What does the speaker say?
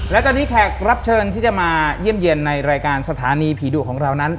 และตอนนี้แขกรับเชิญที่จะมาเยี่ยมเยี่ยมในรายการสถานีผีดุของเรานั้น